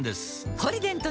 「ポリデント」